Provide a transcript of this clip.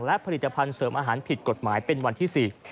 และผลิตภัณฑ์เสริมอาหารผิดกฎหมายเป็นวันที่๔